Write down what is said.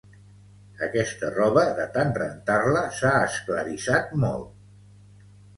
Aquesta roba, de tant rentar-la, s'ha esclarissat molt.